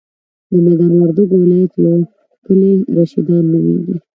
د ميدان وردګو ولایت یو کلی رشیدان نوميږي.